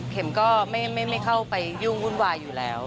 ก็ไม่เข้าไปยุ่งวุ่นวายอยู่แล้ว